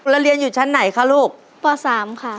แล้วเรียนอยู่ชั้นไหนคะลูกป๓ค่ะ